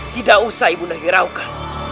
tidak usah ibu dahiraukan